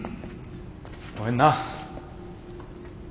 ごめんな。